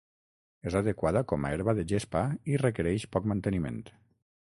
És adequada com a herba de gespa i requereix poc manteniment.